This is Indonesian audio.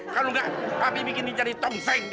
kalau nggak papi bikin ini jadi tongseng dia